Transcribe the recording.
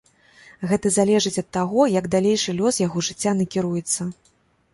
Гэта залежыць ад таго, як далейшы лёс яго жыцця накіруецца.